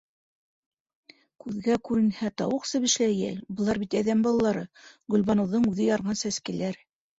Күҙгә күренһә, тауыҡ себеше лә йәл, былар бит әҙәм балалары, Гөлбаныуҙың үҙе ярған сәскәләр.